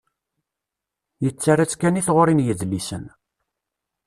Yettarra-tt kan i tɣuri n yidlisen.